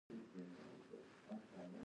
ما د سحر یوسفزي متن نه شو لوستلی.